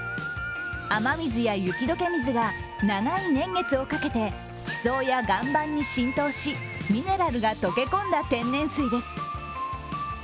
雨水や雪解け水が長い年月をかけて、地層や岩盤に浸透しミネラルが溶け込んだ天然水です。